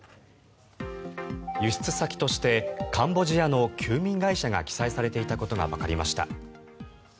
輸出先としてカンボジアの休眠会社が記載されていたことがわかりました。